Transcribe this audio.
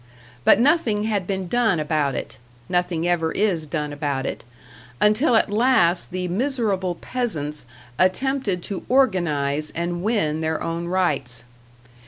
But nothing had been done about it, nothing ever is done about it until at last the miserable peasants attempted to organize and win their own rights.